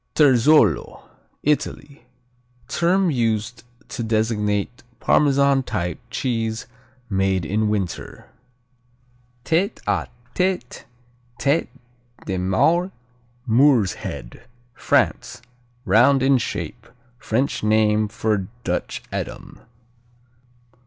Terzolo Italy Term used to designate Parmesan type cheese made in winter. Tête à Tête, Tête de Maure, Moor's Head France Round in shape. French name for Dutch Edam.